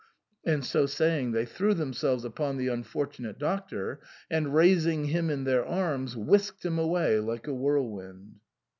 " and so saying they threw themselves upon the unfortunate Doctor, and, raising him in their arms, whisked him away like a whirlwind.